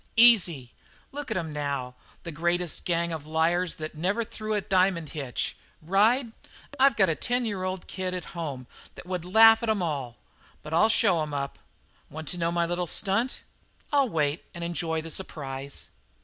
"Easy. Look at 'em now the greatest gang of liars that never threw a diamond hitch! Ride? I've got a ten year kid home that would laugh at 'em all. But I'll show 'em up. Want to know my little stunt?" "I'll wait and enjoy the surprise."